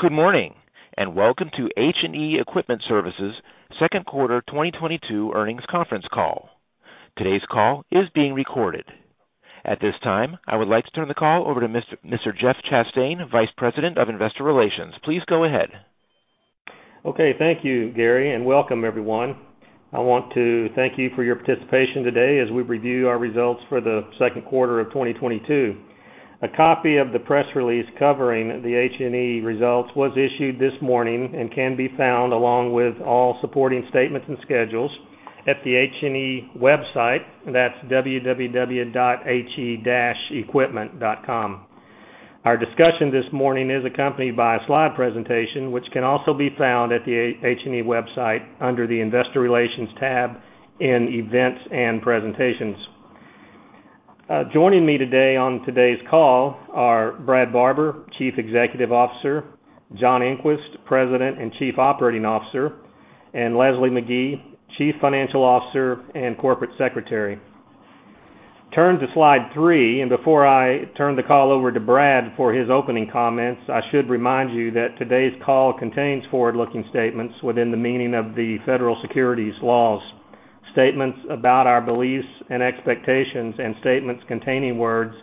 Good morning, and welcome to H&E Equipment Services second quarter 2022 earnings conference call. Today's call is being recorded. At this time, I would like to turn the call over to Mr. Jeff Chastain, Vice President of Investor Relations. Please go ahead. Okay, thank you, Gary, and welcome everyone. I want to thank you for your participation today as we review our results for the second quarter of 2022. A copy of the press release covering the H&E results was issued this morning and can be found along with all supporting statements and schedules at the H&E website. That's www.he-equipment.com. Our discussion this morning is accompanied by a slide presentation, which can also be found at the H&E website under the Investor Relations tab in Events and Presentations. Joining me today on today's call are Brad Barber, Chief Executive Officer, John Engquist, President and Chief Operating Officer, and Leslie Magee, Chief Financial Officer and Corporate Secretary. Turn to slide three, before I turn the call over to Brad for his opening comments, I should remind you that today's call contains forward-looking statements within the meaning of the federal securities laws. Statements about our beliefs and expectations and statements containing words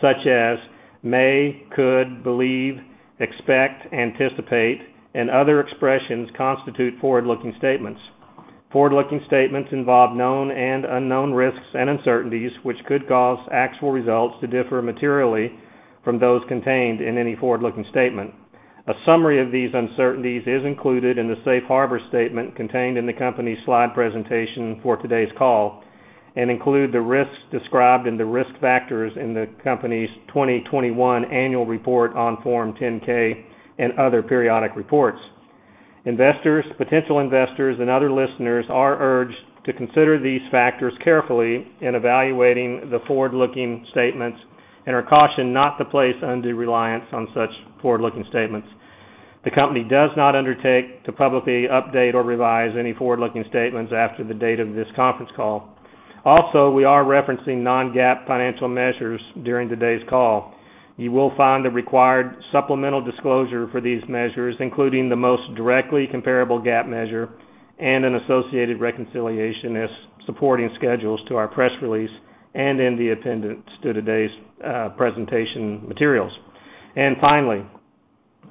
such as "may", "could", "believe", "expect", "anticipate", and other expressions constitute forward-looking statements. Forward-looking statements involve known and unknown risks and uncertainties, which could cause actual results to differ materially from those contained in any forward-looking statement. A summary of these uncertainties is included in the safe harbor statement contained in the company's slide presentation for today's call and include the risks described in the risk factors in the company's 2021 annual report on Form 10-K and other periodic reports. Investors, potential investors, and other listeners are urged to consider these factors carefully in evaluating the forward-looking statements and are cautioned not to place undue reliance on such forward-looking statements. The company does not undertake to publicly update or revise any forward-looking statements after the date of this conference call. Also, we are referencing non-GAAP financial measures during today's call. You will find the required supplemental disclosure for these measures, including the most directly comparable GAAP measure and an associated reconciliation as supporting schedules to our press release and in the appendix to today's presentation materials. Finally,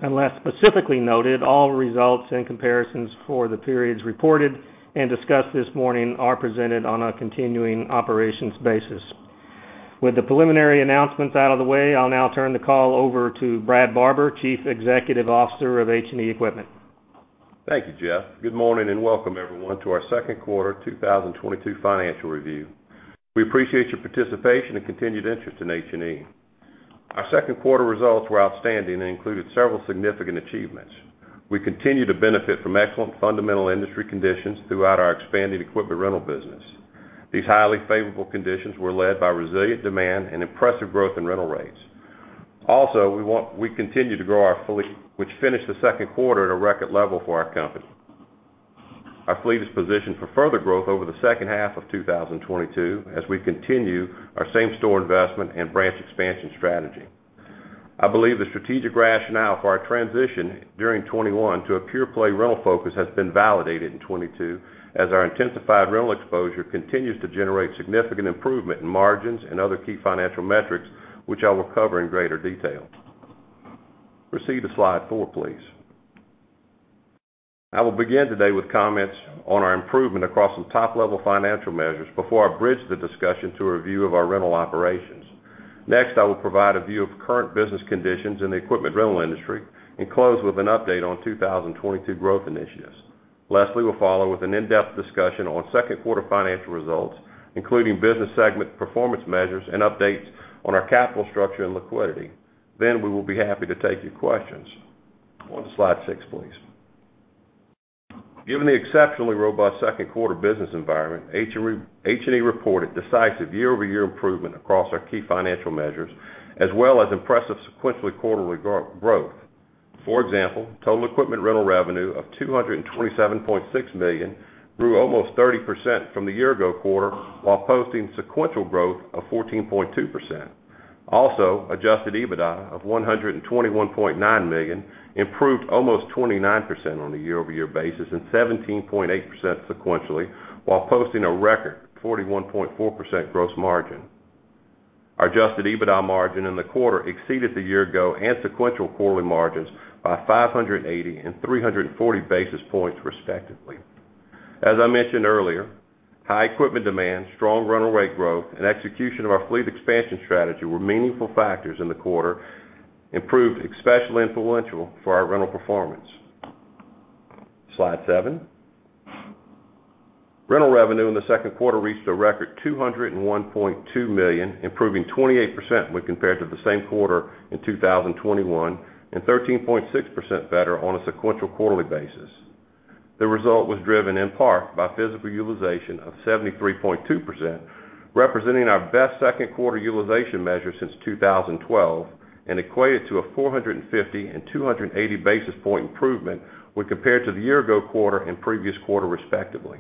unless specifically noted, all results and comparisons for the periods reported and discussed this morning are presented on a continuing operations basis. With the preliminary announcements out of the way, I'll now turn the call over to Brad Barber, Chief Executive Officer of H&E Equipment. Thank you, Jeff. Good morning and welcome everyone to our second quarter 2022 financial review. We appreciate your participation and continued interest in H&E. Our second quarter results were outstanding and included several significant achievements. We continue to benefit from excellent fundamental industry conditions throughout our expanding equipment rental business. These highly favorable conditions were led by resilient demand and impressive growth in rental rates. We continue to grow our fleet, which finished the second quarter at a record level for our company. Our fleet is positioned for further growth over the second half of 2022 as we continue our same-store investment and branch expansion strategy. I believe the strategic rationale for our transition during 2021 to a pure-play rental focus has been validated in 2022 as our intensified rental exposure continues to generate significant improvement in margins and other key financial metrics, which I will cover in greater detail. Proceed to slide four, please. I will begin today with comments on our improvement across the top-level financial measures before I bridge the discussion to a review of our rental operations. Next, I will provide a view of current business conditions in the equipment rental industry and close with an update on 2022 growth initiatives. Leslie will follow with an in-depth discussion on second quarter financial results, including business segment performance measures and updates on our capital structure and liquidity. We will be happy to take your questions. On to slide six, please. Given the exceptionally robust second quarter business environment, H&E reported decisive year-over-year improvement across our key financial measures, as well as impressive sequential quarterly growth. For example, total equipment rental revenue of $227.6 million grew almost 30% from the year ago quarter while posting sequential growth of 14.2%. Also, adjusted EBITDA of $121.9 million improved almost 29% on a year-over-year basis and 17.8% sequentially, while posting a record 41.4% gross margin. Our adjusted EBITDA margin in the quarter exceeded the year ago and sequential quarterly margins by 580 and 340 basis points, respectively. As I mentioned earlier, high equipment demand, strong rental rate growth, and execution of our fleet expansion strategy were meaningful factors in the quarter, and proved especially influential for our rental performance. Slide seven. Rental revenue in the second quarter reached a record $201.2 million, improving 28% when compared to the same quarter in 2021, and 13.6% better on a sequential quarterly basis. The result was driven in part by physical utilization of 73.2%, representing our best second quarter utilization measure since 2012, and equated to a 450 and 280 basis point improvement when compared to the year ago quarter and previous quarter, respectively.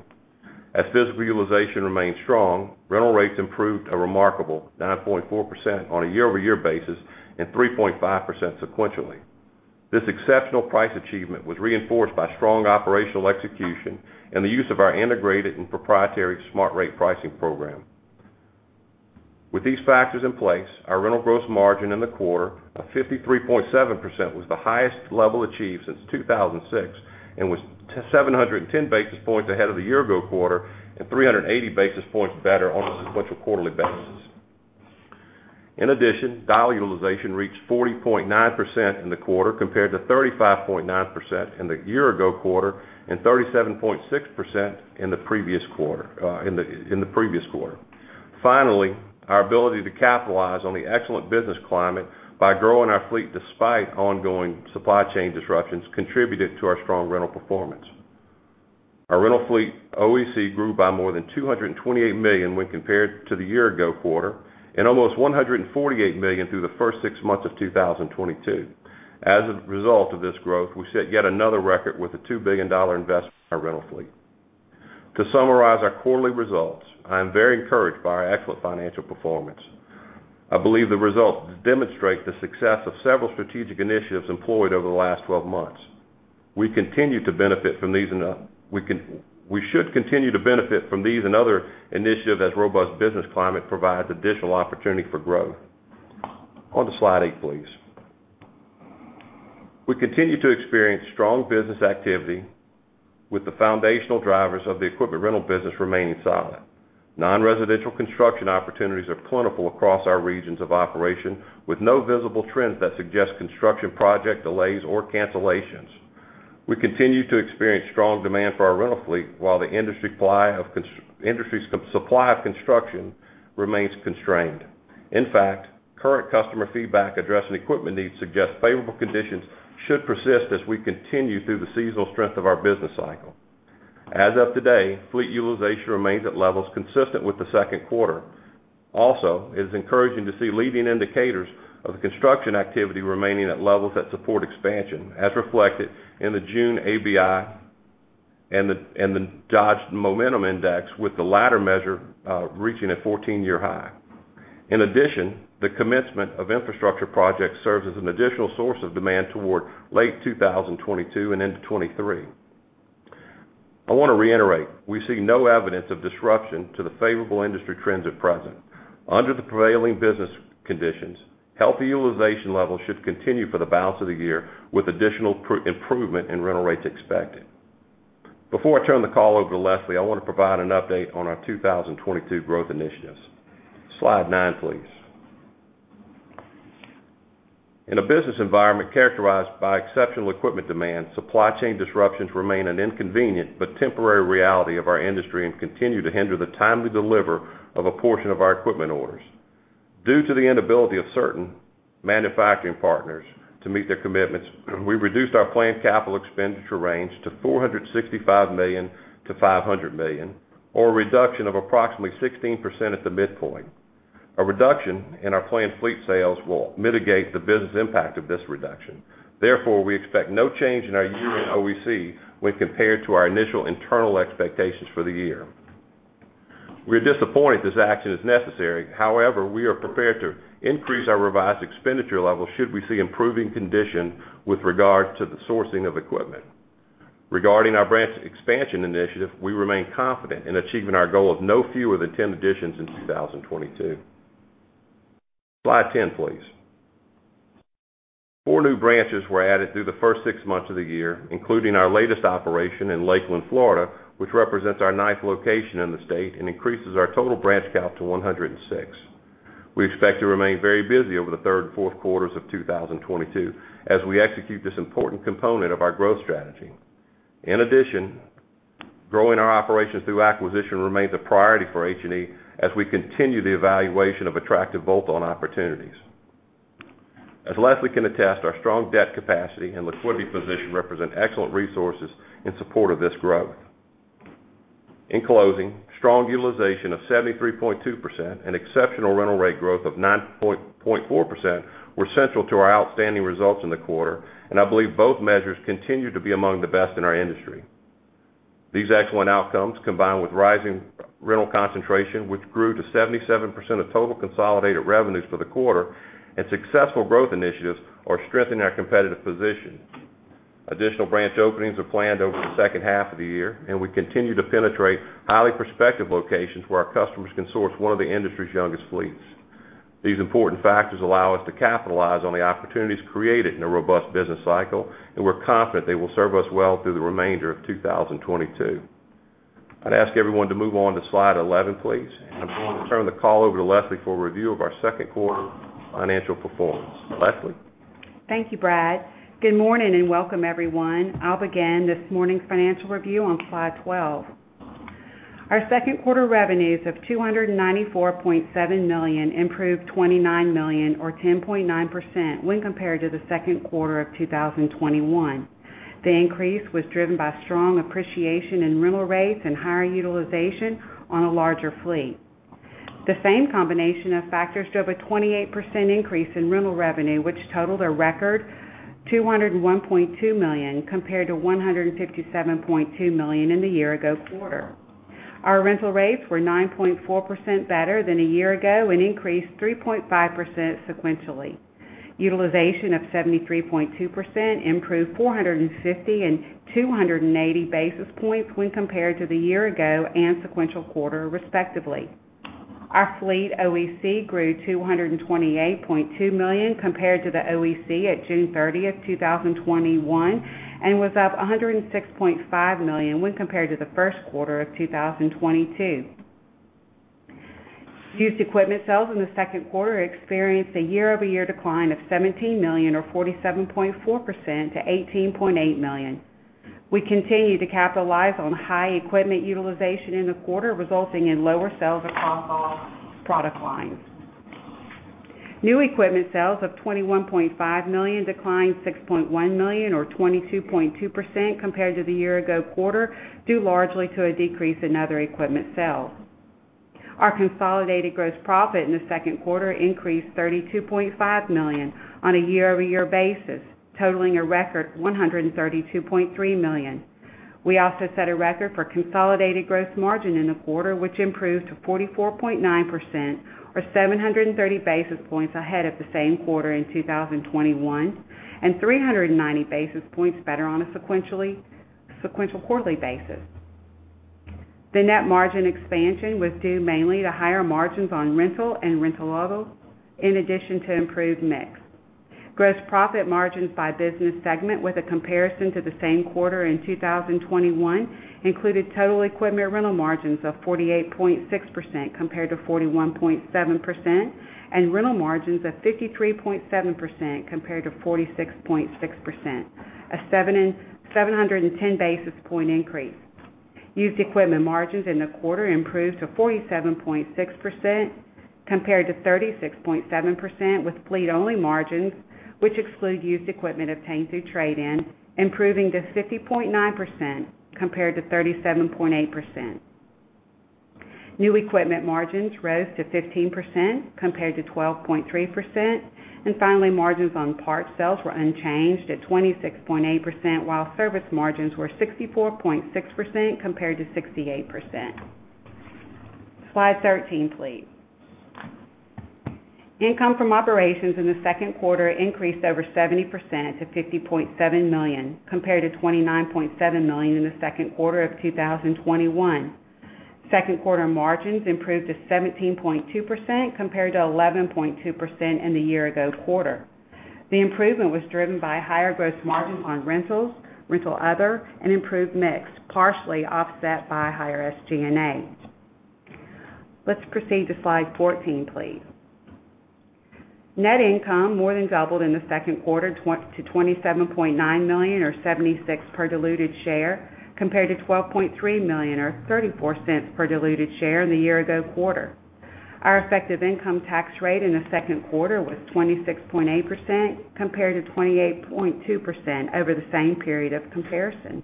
As physical utilization remains strong, rental rates improved a remarkable 9.4% on a year-over-year basis and 3.5% sequentially. This exceptional price achievement was reinforced by strong operational execution and the use of our integrated and proprietary SmartRate pricing program. With these factors in place, our rental gross margin in the quarter of 53.7% was the highest level achieved since 2006 and was 710 basis points ahead of the year ago quarter and 380 basis points better on a sequential quarterly basis. In addition, dollar utilization reached 40.9% in the quarter compared to 35.9% in the year ago quarter and 37.6% in the previous quarter. Finally, our ability to capitalize on the excellent business climate by growing our fleet despite ongoing supply chain disruptions contributed to our strong rental performance. Our rental fleet OEC grew by more than $228 million when compared to the year-ago quarter and almost $148 million through the first six months of 2022. As a result of this growth, we set yet another record with a $2 billion investment in our rental fleet. To summarize our quarterly results, I am very encouraged by our excellent financial performance. I believe the results demonstrate the success of several strategic initiatives employed over the last 12 months. We should continue to benefit from these and other initiatives as robust business climate provides additional opportunity for growth. On to slide eight, please. We continue to experience strong business activity with the foundational drivers of the equipment rental business remaining solid. Non-residential construction opportunities are plentiful across our regions of operation, with no visible trends that suggest construction project delays or cancellations. We continue to experience strong demand for our rental fleet while the industry's supply of construction remains constrained. In fact, current customer feedback addressing equipment needs suggests favorable conditions should persist as we continue through the seasonal strength of our business cycle. As of today, fleet utilization remains at levels consistent with the second quarter. Also, it is encouraging to see leading indicators of the construction activity remaining at levels that support expansion, as reflected in the June ABI and the Dodge Momentum Index, with the latter measure reaching a 14-year high. In addition, the commencement of infrastructure projects serves as an additional source of demand toward late 2022 and into 2023. I want to reiterate, we see no evidence of disruption to the favorable industry trends at present. Under the prevailing business conditions, healthy utilization levels should continue for the balance of the year, with additional improvement in rental rates expected. Before I turn the call over to Leslie, I want to provide an update on our 2022 growth initiatives. Slide nine, please. In a business environment characterized by exceptional equipment demand, supply chain disruptions remain an inconvenient but temporary reality of our industry and continue to hinder the timely delivery of a portion of our equipment orders. Due to the inability of certain manufacturing partners to meet their commitments, we reduced our planned capital expenditure range to $465 million-$500 million, or a reduction of approximately 16% at the midpoint. A reduction in our planned fleet sales will mitigate the business impact of this reduction. Therefore, we expect no change in our year-end OEC when compared to our initial internal expectations for the year. We are disappointed this action is necessary. However, we are prepared to increase our revised expenditure level should we see improving condition with regard to the sourcing of equipment. Regarding our branch expansion initiative, we remain confident in achieving our goal of no fewer than 10 additions in 2022. Slide 10, please. Four new branches were added through the first six months of the year, including our latest operation in Lakeland, Florida, which represents our ninth location in the state and increases our total branch count to 106. We expect to remain very busy over the third and fourth quarters of 2022 as we execute this important component of our growth strategy. In addition, growing our operations through acquisition remains a priority for H&E as we continue the evaluation of attractive bolt-on opportunities. As Leslie can attest, our strong debt capacity and liquidity position represent excellent resources in support of this growth. In closing, strong utilization of 73.2% and exceptional rental rate growth of 9.4% were central to our outstanding results in the quarter, and I believe both measures continue to be among the best in our industry. These excellent outcomes, combined with rising rental concentration, which grew to 77% of total consolidated revenues for the quarter, and successful growth initiatives, are strengthening our competitive position. Additional branch openings are planned over the second half of the year, and we continue to penetrate highly prospective locations where our customers can source one of the industry's youngest fleets. These important factors allow us to capitalize on the opportunities created in a robust business cycle, and we're confident they will serve us well through the remainder of 2022. I'd ask everyone to move on to slide 11, please, and I'm going to turn the call over to Leslie for a review of our second quarter financial performance. Leslie? Thank you, Brad. Good morning and welcome everyone. I'll begin this morning's financial review on slide 12. Our second quarter revenues of $294.7 million improved $29 million or 10.9% when compared to the second quarter of 2021. The increase was driven by strong appreciation in rental rates and higher utilization on a larger fleet. The same combination of factors drove a 28% increase in rental revenue, which totaled a record $201.2 million, compared to $157.2 million in the year ago quarter. Our rental rates were 9.4% better than a year ago and increased 3.5% sequentially. Utilization of 73.2% improved 450 and 280 basis points when compared to the year ago and sequential quarter respectively. Our fleet OEC grew $228.2 million compared to the OEC at June 30th, 2021, and was up $106.5 million when compared to the first quarter of 2022. Used equipment sales in the second quarter experienced a year-over-year decline of $17 million or 47.4% to $18.8 million. We continue to capitalize on high equipment utilization in the quarter, resulting in lower sales across all product lines. New equipment sales of $21.5 million declined $6.1 million or 22.2% compared to the year ago quarter, due largely to a decrease in other equipment sales. Our consolidated gross profit in the second quarter increased $32.5 million on a year-over-year basis, totaling a record $132.3 million. We also set a record for consolidated gross margin in the quarter, which improved to 44.9% or 730 basis points ahead of the same quarter in 2021, and 390 basis points better on a sequential quarterly basis. The net margin expansion was due mainly to higher margins on rental and rental other, in addition to improved mix. Gross profit margins by business segment with a comparison to the same quarter in 2021 included total equipment rental margins of 48.6% compared to 41.7%, and rental margins of 53.7% compared to 46.6%, a 710 basis point increase. Used equipment margins in the quarter improved to 47.6% compared to 36.7%, with fleet-only margins, which exclude used equipment obtained through trade-in, improving to 50.9% compared to 37.8%. New equipment margins rose to 15% compared to 12.3%. Finally, margins on parts sales were unchanged at 26.8%, while service margins were 64.6% compared to 68%. Slide 13, please. Income from operations in the second quarter increased over 70% to $50.7 million compared to $29.7 million in the second quarter of 2021. Second quarter margins improved to 17.2% compared to 11.2% in the year ago quarter. The improvement was driven by higher gross margins on rentals, rental other, and improved mix, partially offset by higher SG&A. Let's proceed to slide 14, please. Net income more than doubled in the second quarter to $27.9 million or $0.76 per diluted share, compared to $12.3 million or $0.34 per diluted share in the year-ago quarter. Our effective income tax rate in the second quarter was 26.8% compared to 28.2% over the same period of comparison.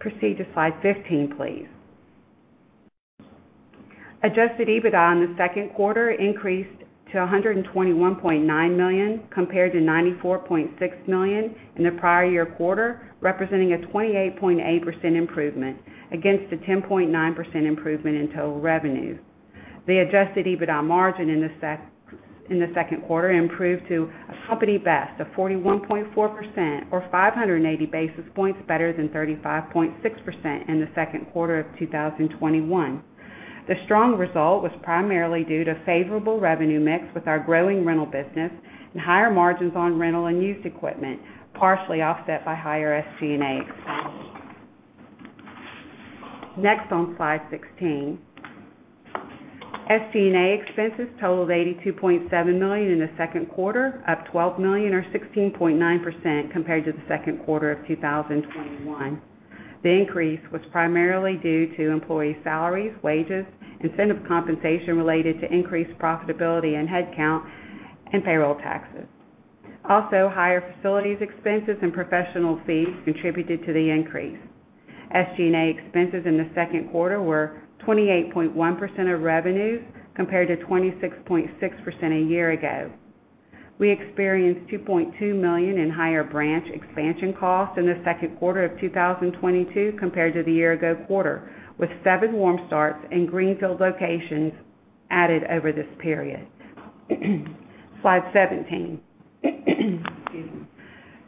Proceed to slide 15, please. Adjusted EBITDA in the second quarter increased to $121.9 million compared to $94.6 million in the prior-year quarter, representing a 28.8% improvement against the 10.9% improvement in total revenue. The adjusted EBITDA margin in the second quarter improved to a company best of 41.4% or 580 basis points better than 35.6% in the second quarter of 2021. The strong result was primarily due to favorable revenue mix with our growing rental business and higher margins on rental and used equipment, partially offset by higher SG&A expenses. Next, on slide 16. SG&A expenses totaled $82.7 million in the second quarter, up $12 million or 16.9% compared to the second quarter of 2021. The increase was primarily due to employee salaries, wages, incentive compensation related to increased profitability and headcount, and payroll taxes. Also, higher facilities expenses and professional fees contributed to the increase. SG&A expenses in the second quarter were 28.1% of revenues compared to 26.6% a year ago. We experienced $2.2 million in higher branch expansion costs in the second quarter of 2022 compared to the year ago quarter, with seven warm starts and greenfield locations added over this period. Slide 17. Excuse me.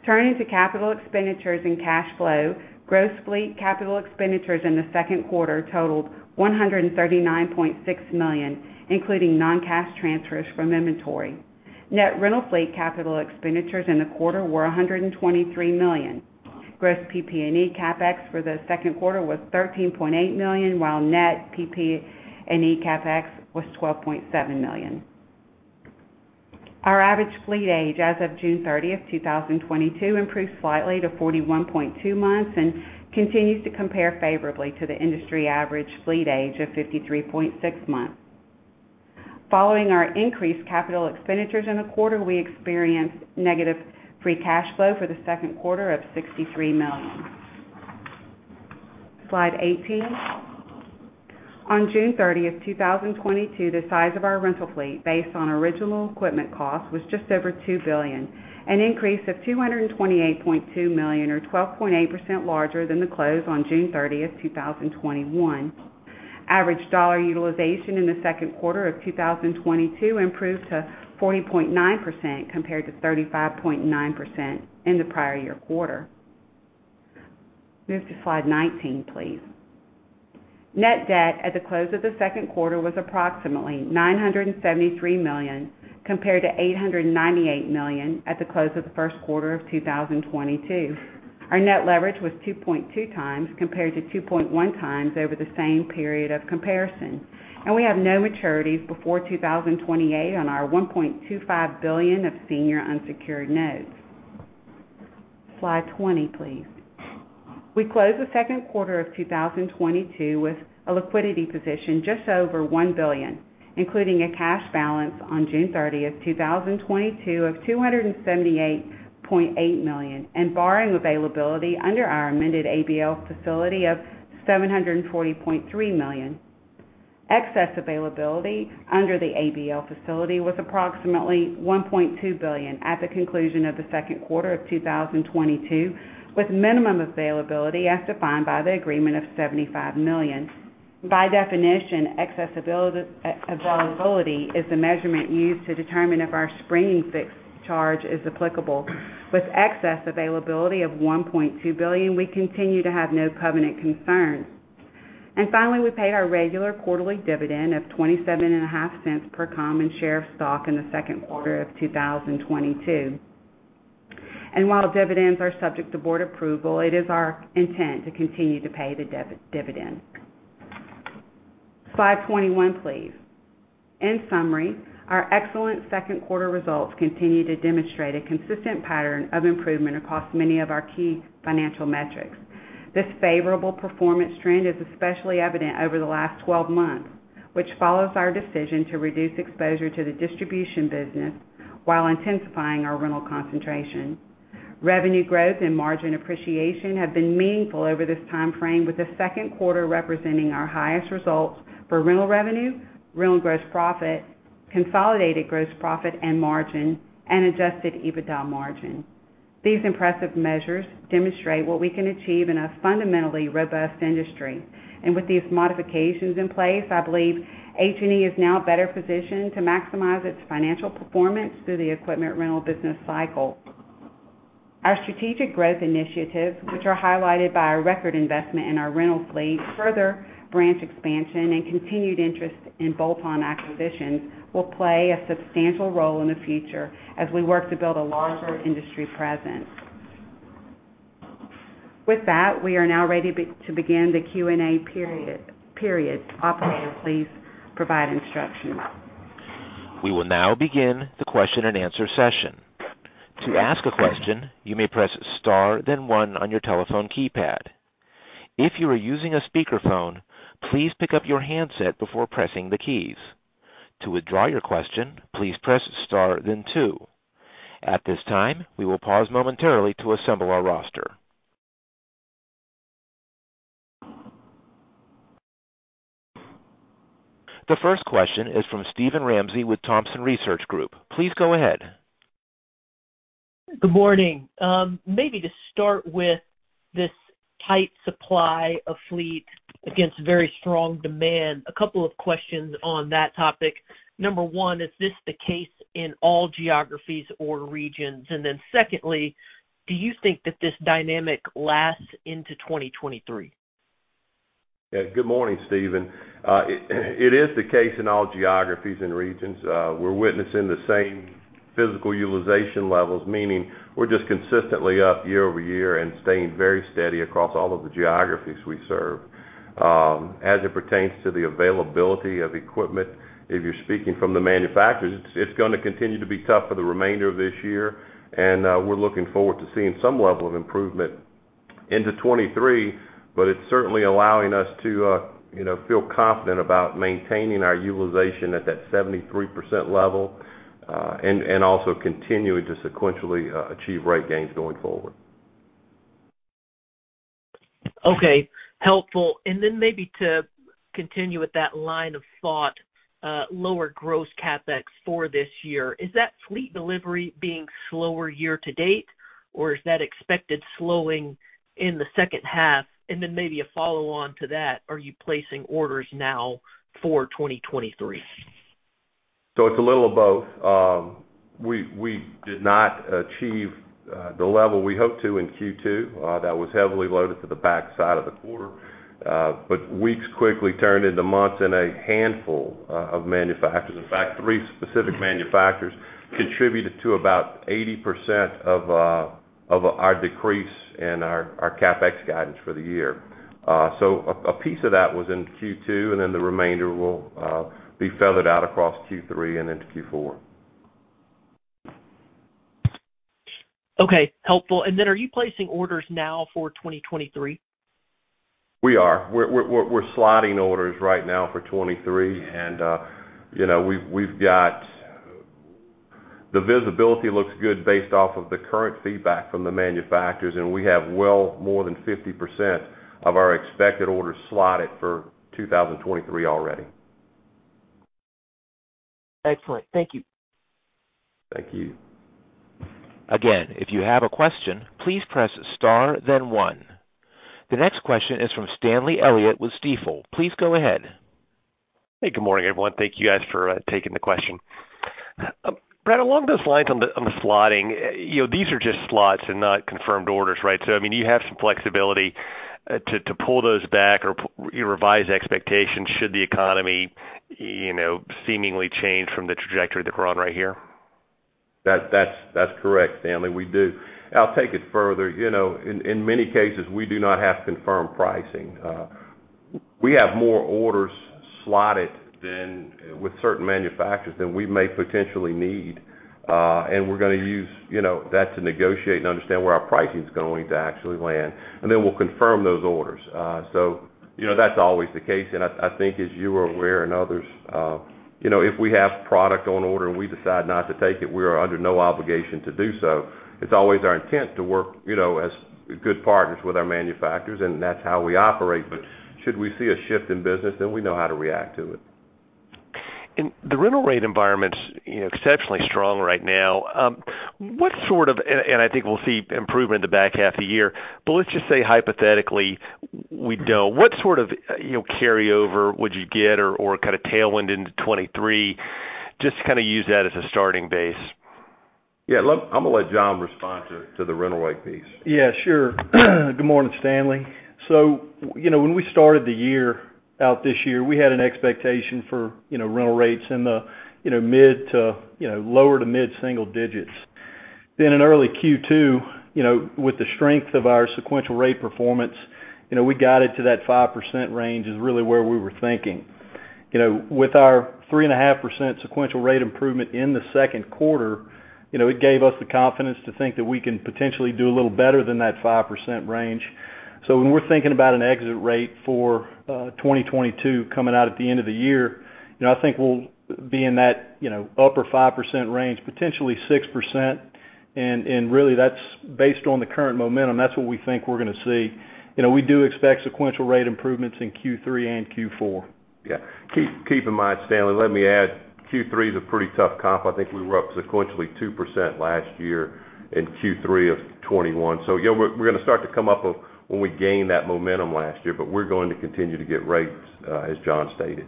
Turning to capital expenditures and cash flow. Gross fleet capital expenditures in the second quarter totaled $139.6 million, including non-cash transfers from inventory. Net rental fleet capital expenditures in the quarter were $123 million. Gross PP&E CapEx for the second quarter was $13.8 million, while net PP&E CapEx was $12.7 million. Our average fleet age as of June 30th, 2022, improved slightly to 41.2 months and continues to compare favorably to the industry average fleet age of 53.6 months. Following our increased capital expenditures in the quarter, we experienced negative free cash flow for the second quarter of -$63 million. Slide 18. On June 30th, 2022, the size of our rental fleet based on original equipment cost was just over $2 billion, an increase of $228.2 million, or 12.8% larger than the close on June 30th, 2021. Average dollar utilization in the second quarter of 2022 improved to 40.9% compared to 35.9% in the prior year quarter. Move to slide 19, please. Net debt at the close of the second quarter was approximately $973 million compared to $898 million at the close of the first quarter of 2022. Our net leverage was 2.2x compared to 2.1x over the same period of comparison. We have no maturities before 2028 on our $1.25 billion of senior unsecured notes. Slide 20, please. We closed the second quarter of 2022 with a liquidity position just over $1 billion, including a cash balance on June 30th, 2022 of $278.8 million, and borrowing availability under our amended ABL facility of $740.3 million. Excess availability under the ABL facility was approximately $1.2 billion at the conclusion of the second quarter of 2022, with minimum availability as defined by the agreement of $75 million. By definition, excess availability is the measurement used to determine if our springing fixed charge is applicable. With excess availability of $1.2 billion, we continue to have no covenant concerns. Finally, we paid our regular quarterly dividend of $0.275 per common share of stock in the second quarter of 2022. While dividends are subject to board approval, it is our intent to continue to pay the dividend. Slide 21, please. In summary, our excellent second quarter results continue to demonstrate a consistent pattern of improvement across many of our key financial metrics. This favorable performance trend is especially evident over the last 12 months, which follows our decision to reduce exposure to the distribution business while intensifying our rental concentration. Revenue growth and margin appreciation have been meaningful over this time frame, with the second quarter representing our highest results for rental revenue, rental gross profit, consolidated gross profit and margin, and adjusted EBITDA margin. These impressive measures demonstrate what we can achieve in a fundamentally robust industry. With these modifications in place, I believe H&E is now better positioned to maximize its financial performance through the equipment rental business cycle. Our strategic growth initiatives, which are highlighted by our record investment in our rental fleet, further branch expansion, and continued interest in bolt-on acquisitions, will play a substantial role in the future as we work to build a larger industry presence. With that, we are now ready to begin the Q&A period. Operator, please provide instructions. We will now begin the question-and-answer session. To ask a question, you may press star, then one on your telephone keypad. If you are using a speakerphone, please pick up your handset before pressing the keys. To withdraw your question, please press star then two. At this time, we will pause momentarily to assemble our roster. The first question is from Steven Ramsey with Thompson Research Group. Please go ahead. Good morning. Maybe to start with this tight supply of fleet against very strong demand, a couple of questions on that topic. Number one, is this the case in all geographies or regions? Secondly, do you think that this dynamic lasts into 2023? Yeah. Good morning, Steven. It is the case in all geographies and regions. We're witnessing the same physical utilization levels, meaning we're just consistently up year-over-year and staying very steady across all of the geographies we serve. As it pertains to the availability of equipment, if you're speaking from the manufacturers, it's gonna continue to be tough for the remainder of this year, and we're looking forward to seeing some level of improvement into 2023, but it's certainly allowing us to, you know, feel confident about maintaining our utilization at that 73% level, and also continuing to sequentially achieve rate gains going forward. Okay. Helpful. Maybe to continue with that line of thought, lower gross CapEx for this year, is that fleet delivery being slower year to date, or is that expected slowing in the second half? Maybe a follow-on to that, are you placing orders now for 2023? It's a little of both. We did not achieve the level we hoped to in Q2. That was heavily loaded to the back side of the quarter. Weeks quickly turned into months in a handful of manufacturers. In fact, three specific manufacturers contributed to about 80% of our decrease in our CapEx guidance for the year. A piece of that was in Q2, and then the remainder will be feathered out across Q3 and into Q4. Okay, helpful. Are you placing orders now for 2023? We're slotting orders right now for 2023. You know, the visibility looks good based off of the current feedback from the manufacturers, and we have well more than 50% of our expected orders slotted for 2023 already. Excellent. Thank you. Thank you. Again, if you have a question, please press star then one. The next question is from Stanley Elliott with Stifel. Please go ahead. Hey, good morning, everyone. Thank you guys for taking the question. Brad, along those lines on the slotting, you know, these are just slots and not confirmed orders, right? I mean, you have some flexibility to pull those back or revise expectations should the economy, you know, seemingly change from the trajectory that we're on right here. That's correct, Stanley. We do. I'll take it further. You know, in many cases, we do not have confirmed pricing. We have more orders slotted than with certain manufacturers than we may potentially need, and we're gonna use, you know, that to negotiate and understand where our pricing is going to actually land, and then we'll confirm those orders. You know, that's always the case. I think as you are aware and others, you know, if we have product on order and we decide not to take it, we are under no obligation to do so. It's always our intent to work, you know, as good partners with our manufacturers, and that's how we operate. Should we see a shift in business, then we know how to react to it. The rental rate environment's, you know, exceptionally strong right now. What sort of? I think we'll see improvement in the back half of the year, but let's just say hypothetically we don't, what sort of, you know, carryover would you get or kind of tailwind into 2023? Just to kinda use that as a starting base. Yeah, I'm gonna let John respond to the rental rate piece. Yeah, sure. Good morning, Stanley. You know, when we started the year out this year, we had an expectation for, you know, rental rates in the, you know, mid- to lower- to mid-single digits. In early Q2, you know, with the strength of our sequential rate performance, you know, we got it to that 5% range, is really where we were thinking. You know, with our 3.5% sequential rate improvement in the second quarter, you know, it gave us the confidence to think that we can potentially do a little better than that 5% range. When we're thinking about an exit rate for 2022 coming out at the end of the year, you know, I think we'll be in that, you know, upper 5% range, potentially 6%. Really that's based on the current momentum. That's what we think we're gonna see. You know, we do expect sequential rate improvements in Q3 and Q4. Yeah. Keep in mind, Stanley, let me add, Q3 is a pretty tough comp. I think we were up sequentially 2% last year in Q3 of 2021. You know, we're gonna start to come up off when we gained that momentum last year, but we're going to continue to get rates, as John stated.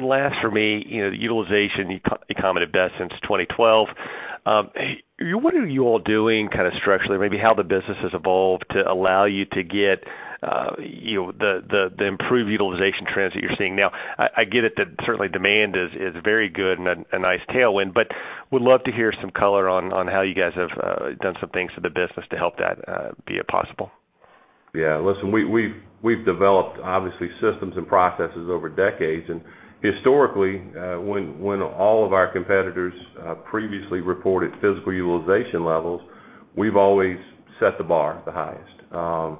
Last for me, you know, the utilization economics have been the best since 2012. What are you all doing kind of structurally, maybe how the business has evolved to allow you to get, you know, the improved utilization trends that you're seeing now? I get it that certainly demand is very good and a nice tailwind, but would love to hear some color on how you guys have done some things for the business to help that be possible. Yeah. Listen, we've developed, obviously, systems and processes over decades. Historically, when all of our competitors previously reported physical utilization levels, we've always set the bar the highest.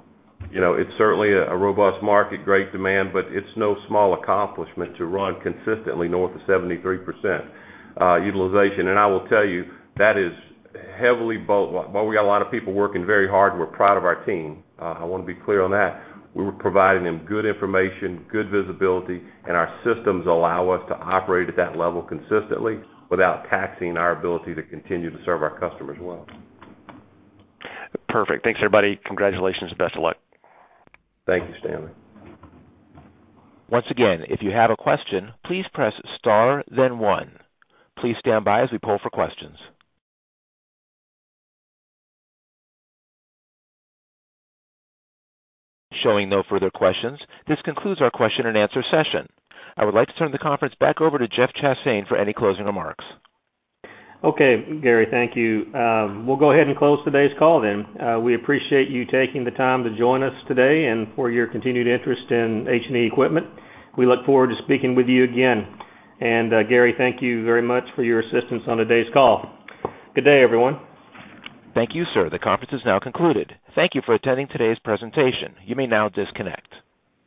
You know, it's certainly a robust market, great demand, but it's no small accomplishment to run consistently north of 73% utilization. I will tell you, while we got a lot of people working very hard, and we're proud of our team, I wanna be clear on that, we were providing them good information, good visibility, and our systems allow us to operate at that level consistently without taxing our ability to continue to serve our customers well. Perfect. Thanks, everybody. Congratulations and best of luck. Thank you, Stanley. Once again, if you have a question, please press star then one. Please stand by as we poll for questions. Showing no further questions, this concludes our question-and-answer session. I would like to turn the conference back over to Jeff Chastain for any closing remarks. Okay, Gary, thank you. We'll go ahead and close today's call then. We appreciate you taking the time to join us today and for your continued interest in H&E Equipment. We look forward to speaking with you again. Gary, thank you very much for your assistance on today's call. Good day, everyone. Thank you, sir. The conference is now concluded. Thank you for attending today's presentation. You may now disconnect.